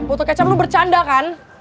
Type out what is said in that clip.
untuk kecap lu bercanda kan